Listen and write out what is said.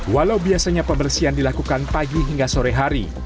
walau biasanya pembersihan dilakukan pagi hingga sore hari